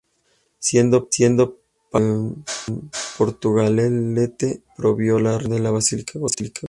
Siendo párroco en Portugalete promovió la restauración de la basílica gótica.